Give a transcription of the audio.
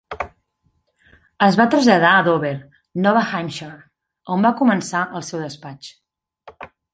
Es va traslladar a Dover (Nova Hampshire), on va començar el seu despatx.